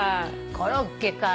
コロッケか。